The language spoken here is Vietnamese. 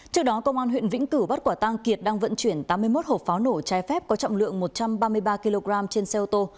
trước đó công an huyện vĩnh cửu bắt quả tang kiệt đang vận chuyển tám mươi một hộp pháo nổ trái phép có trọng lượng một trăm ba mươi ba kg trên xe ô tô